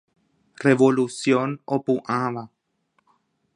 Revolución opu'ãva.